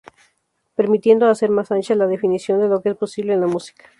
Permitiendo hacer más ancha la definición de lo que es posible en la música.